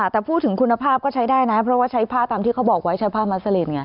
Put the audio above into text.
แต่พูดถึงคุณภาพก็ใช้ได้นะเพราะว่าใช้ผ้าตามที่เขาบอกไว้ใช้ผ้ามัสลินไง